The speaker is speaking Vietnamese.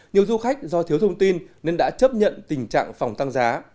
nhiều du khách do thiếu thông tin nên đã chấp nhận tình trạng phòng tăng giá